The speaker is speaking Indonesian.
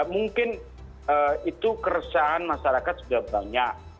mungkin itu keresahan masyarakat sudah banyak